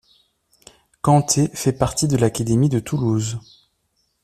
Canté fait partie de l'académie de Toulouse.